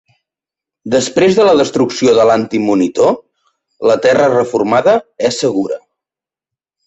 Després de la destrucció de l'Anti-Monitor, la terra reformada és segura.